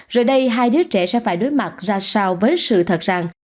rồi đây hai đứa trẻ sẽ phải đối mặt ra sao với sự thật sàng